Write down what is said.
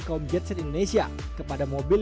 kaum jet set indonesia kepada mobil